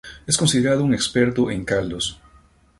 Es considerado un experto en caldos.